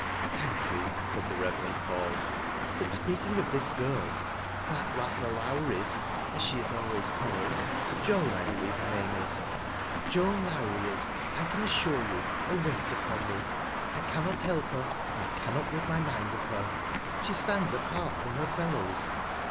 " Thank you," said the Reverend Paul. " But speak • ing of this girl —' That lass o' Le^vie's,' as she is always called — Joan I believe her name is. Joau Lowrie is, I can assure you, a weight upon me. I cannot help her and I cannot rid my mind of her. She stands apart from her fellows.